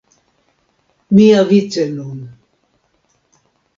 Miavice nun!